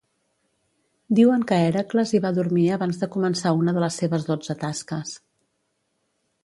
Diuen que Hèracles hi va dormir abans de començar una de les seves dotze tasques.